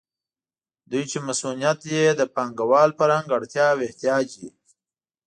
دوی چې مصونیت یې د پانګوال فرهنګ اړتیا او احتیاج وي.